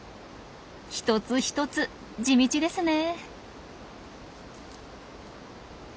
一つ一つ地道ですねえ。